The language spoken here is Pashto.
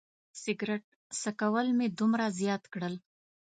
سګرټ څکول مې دومره زیات کړل.